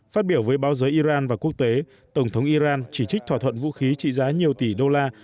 phát biểu với báo giới iran và quốc tế tổng thống iran chỉ trích thỏa thuận vũ khí trị giá nhiều tỷ đô la